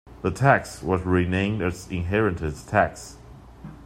The tax was renamed as Inheritance Tax.